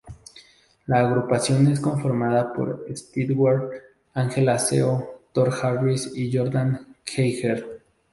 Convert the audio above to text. La agrupación es conformada por Stewart, Angela Seo, Thor Harris, y Jordan Geiger.